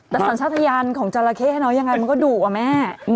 แต่สัญชาติยานของจราเข้ให้น้องยังไงมันก็ดุอะแม่